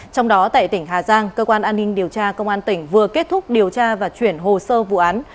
trong đó tại tỉnh hà giang cơ quan an ninh điều tra công an tỉnh vừa kết thúc điều tra và chuyển hồ sơ vụ án